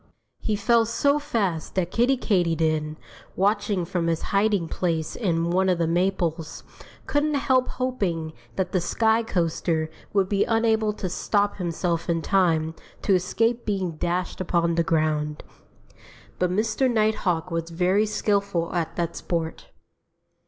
He fell so fast that Kiddie Katydid, watching from his hiding place in one of the maples, couldn't help hoping that the sky coaster would be unable to stop himself in time to escape being dashed upon the ground. But Mr. Nighthawk was very skillful at that sport.